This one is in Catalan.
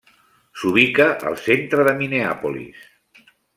S'ubica al centre de Minneapolis.